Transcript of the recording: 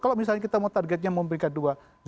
kalau misalnya kita mau targetnya memiliki atlet dua